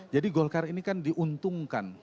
jadi golkar ini kan diuntungkan